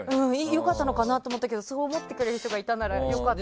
良かったのかなって思ってたけどそう思ってくれる人がいたなら良かった。